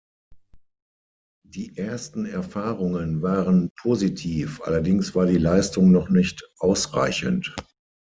Die ersten Erfahrungen waren positiv, allerdings war die Leistung noch nicht ausreichend.